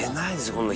こんな。